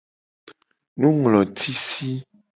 Nunglotisi.